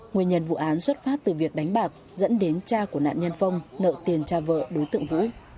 nguyên nhân vụ án xuất phát từ việc đánh bạc dẫn đến cha của nạn nhân phong nợ tiền cha vợ đối tượng vũ